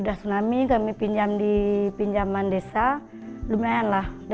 dimengerti karena temat yang digunakan link setan talked